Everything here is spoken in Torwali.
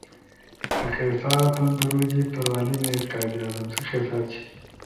أ قصّہ تُھن تُنُو جیِب توروالی می قائد اعظم سی قصّہ چھی